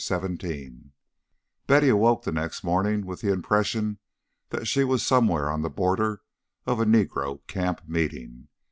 XVII Betty awoke the next morning with the impression that she was somewhere on the border of a negro camp meeting.